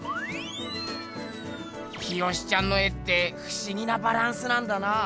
清ちゃんの絵ってふしぎなバランスなんだな。